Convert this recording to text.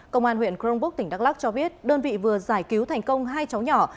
công an huyện crongbúc tỉnh đắk lắk cho biết đơn vị vừa giải cứu thành công hai cháu nhỏ